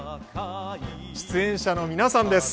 出演者の皆さんです。